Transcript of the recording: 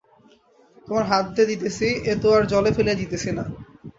তোমার হাতে দিতেছি, এ তো আর জলে ফেলিয়া দিতেছি না।